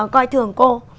coi thường cô